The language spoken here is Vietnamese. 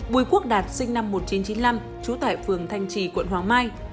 bùi quốc đạt sinh năm một nghìn chín trăm chín mươi năm trú tại phường thanh trì quận hoàng mai